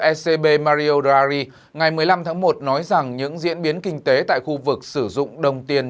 ecb mario drari ngày một mươi năm tháng một nói rằng những diễn biến kinh tế tại khu vực sử dụng đồng tiền